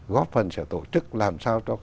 góp phần sẽ tổ chức làm sao cho